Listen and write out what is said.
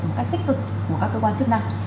một cách tích cực của các cơ quan chức năng